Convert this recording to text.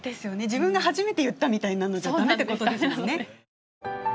自分が初めて言ったみたいなのじゃダメってことですもんね。